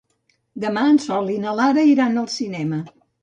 Demà en Sol i na Lara iran al cinema.